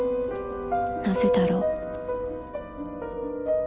「なぜだろう」。